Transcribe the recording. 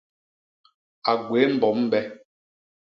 A gwéé mbom be.